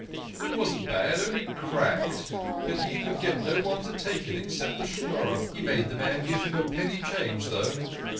It wasn't bad, only cracked, but he could get no one to take it except a Schnorrer. He made the man give him a penny change though.